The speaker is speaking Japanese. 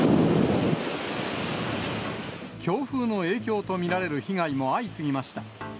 強風の影響と見られる被害も相次ぎました。